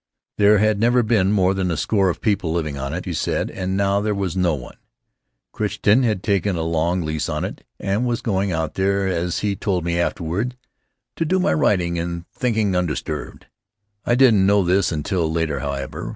There had never been more than a score of people living on it, she said, and now there was no one. Crichton had taken a long lease on it, and was going out there — as he told me afterward — "to do my writing and think ing undisturbed." I didn't know this until later, however.